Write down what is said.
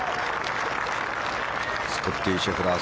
スコッティ・シェフラー